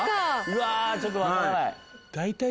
うわーちょっとわからない。